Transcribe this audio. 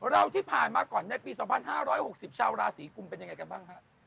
เราที่ผ่านมาก่อนในปี๒๕๖๐ชาวราศีกุมเป็นยังไงกันบ้างฮะ